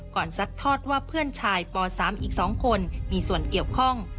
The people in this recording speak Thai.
ซัดทอดว่าเพื่อนชายป๓อีก๒คนมีส่วนเกี่ยวข้อง